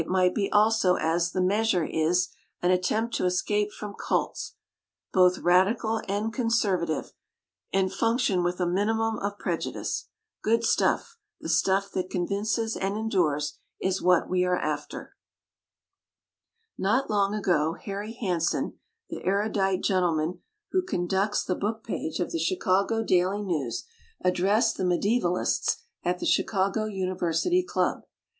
It might be also, as The Mbasurb is, an at tempt to escape from cults, both radical and conservative, and function with a minimum of prejudice. Good stuff, the stuff that convinces and endures, is what we are after. book page of the Chicago "Daily News", addressed the Mediaevalists at the Chicago University Club.